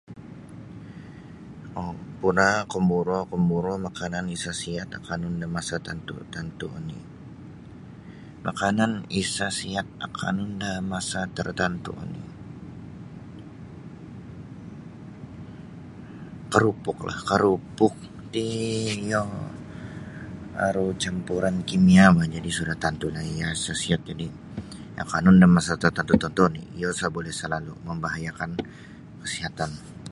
Puraa komburo-komburo makanan isa sihat akanun da masa-masa tantu -tantu oni. Makanan isa sihat akanun da masa tertentu oni keropoklah keropok ti iyo aru campuran kimia sudah tentu iyo isa sihat akanun da masa tertentu tertentu oni iyo sa buli salalu membahayakan kesihatan.